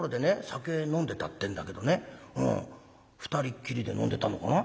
酒飲んでたってんだけどね２人っきりで飲んでたのかな？